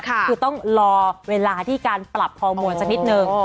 คือต้องรอเวลาที่การปรับฮอร์โมนสักนิดนึง